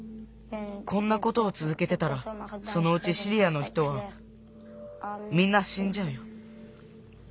こんなことをつづけてたらそのうちシリアの人はみんなしんじゃうよ。